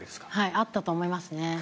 あったと思いますね。